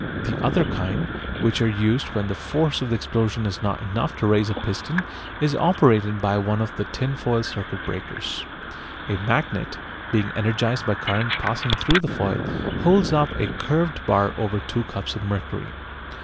The other kind, which are used when the force of the explosion is not enough to raise a piston, is operated by one of the tinfoil circuit breakers. A magnet, being energised by current passing through the foil, holds up a curved bar over two cups of mercury.